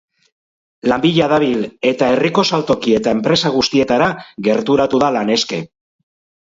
Lan bila dabil eta herriko saltoki eta enpresa guztietara gerturako da lan eske.